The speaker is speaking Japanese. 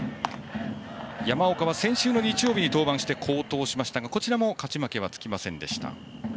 山岡は先週日曜日に登板して、好投しましたが勝ち負けはつきませんでした。